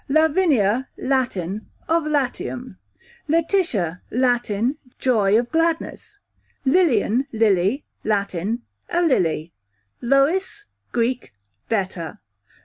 Lavinia, Latin, of Latium. Letitia, Latin, joy of gladness. Lilian / Lily, Latin, a lily. Lois, Greek, better.